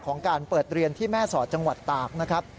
การเปิดเรียนที่แม่สอดจังหวัดตากนะครับ